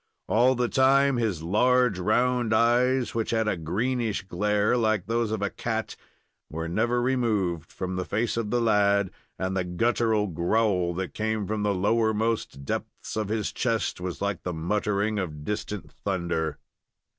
All the time his large, round eyes, which had a greenish glare like those of a cat, were never removed from the face of the lad, and the guttural growl that came from the lowermost depths of his chest was like the muttering of distant thunder.